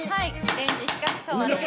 レンジしか使わない。